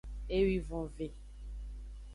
Ewivonve.